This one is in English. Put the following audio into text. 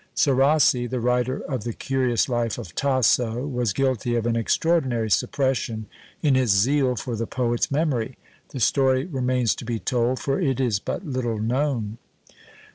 Serassi, the writer of the curious Life of Tasso, was guilty of an extraordinary suppression in his zeal for the poet's memory. The story remains to be told, for it is but little known.